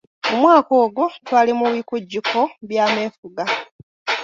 Mu mwaka ogwo twali mu bikujjuko by’amefuga.